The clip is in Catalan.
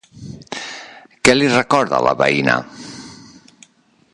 Què li recorda la veïna?